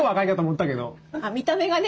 あっ見た目がね。